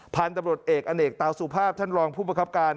ผ่านตำรวจเอกอเนกตาวสูภาพท่านรองผู้บังคับการ